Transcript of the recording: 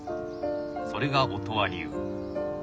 それが音羽流。